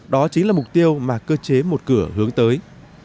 đó chính là mục tiêu mà cơ chế một cửa hướng tới